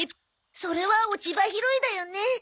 それは落ち葉拾いだよね。